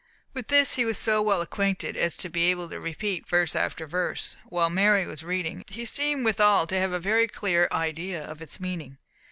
With this he was so well acquainted as to be able to repeat verse after verse, while Mary was reading, and he seemed withal to have a very clear idea of its meaning.